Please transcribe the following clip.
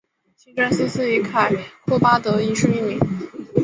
清真寺是以凯库巴德一世命名。